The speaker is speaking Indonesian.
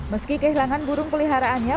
meski kehilangan burung peliharaannya